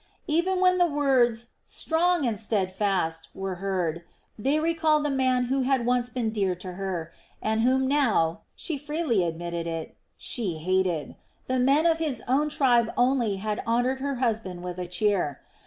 Even when the words "strong and steadfast!" were heard, they recalled the man who had once been dear to her, and whom now she freely admitted it she hated. The men of his own tribe only had honored her husband with a cheer.